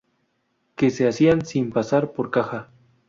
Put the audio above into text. que se hacían, sin pasar por caja